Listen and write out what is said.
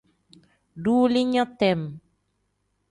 Duulinya tem.